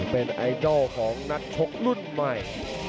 เป็นไอดอลของนักชกรุ่นใหม่